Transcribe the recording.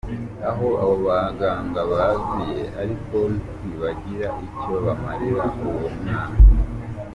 Aho abo baganga baziye, ariko ntibagira icyo bamarira uwo mwana.